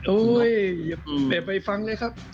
โอ้ยยยยยอย่าไปฟังเลยครับ